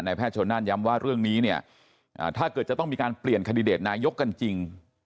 แพทย์ชนนั่นย้ำว่าเรื่องนี้เนี่ยถ้าเกิดจะต้องมีการเปลี่ยนคันดิเดตนายกกันจริง